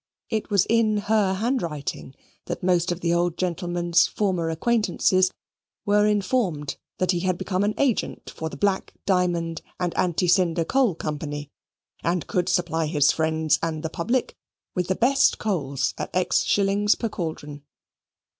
It was in her handwriting that most of the old gentleman's former acquaintances were informed that he had become an agent for the Black Diamond and Anti Cinder Coal Company and could supply his friends and the public with the best coals at s. per chaldron.